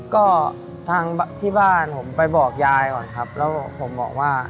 ก็ทางที่บ้านผมไปบอกยายก่อนครับแล้วผมบอกว่า